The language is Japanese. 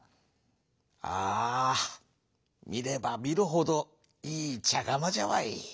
「ああみればみるほどいいちゃがまじゃわい。